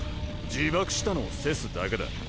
自爆したのはセスだけだ。